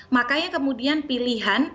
makanya kemudian pilihan